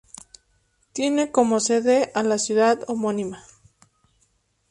Tiene como sede a la ciudad homónima.